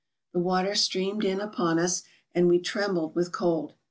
The water streamed in upon us; and we trembled with cold.